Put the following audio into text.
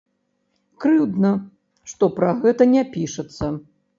Крыўдна, што пра гэта не пішацца.